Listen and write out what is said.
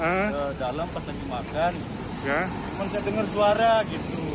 kemudian saya dengar suara gitu